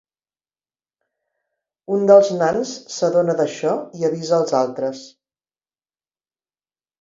Un dels nans s'adona d'això i avisa els altres.